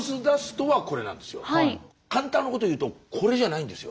簡単なこと言うとこれじゃないんですよ